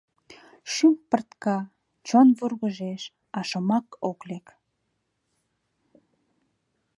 Шӱм пыртка, чон вургыжеш, а шомак ок лек.